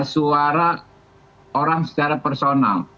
suara orang secara personal